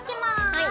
はい。